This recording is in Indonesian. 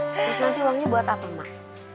terus nanti uangnya buat apa mak